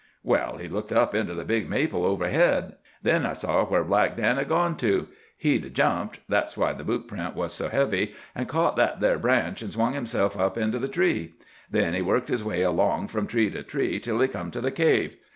"Well, he looked up into the big maple overhead. Then I saw where Black Dan had gone to. He'd jumped (that's why the boot print was so heavy), an' caught that there branch, an' swung himself up into the tree. Then he worked his way along from tree to tree till he come to the cave.